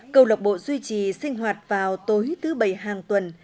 câu lạc bộ duy trì sinh hoạt vào tối thứ bảy hàng tuần